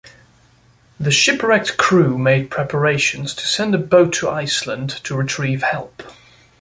The shipwrecked crew made preparations to send a boat to Iceland to retrieve help.